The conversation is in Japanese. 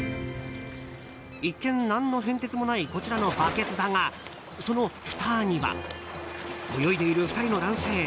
一見、何の変哲もないこちらのバケツだがそのふたには泳いでいる２人の男性。